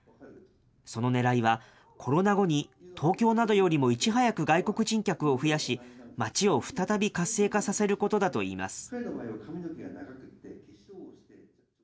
そのねらいは、コロナ後に東京などよりもいち早く外国人客を増やし、街を再び活性化させることだといいます。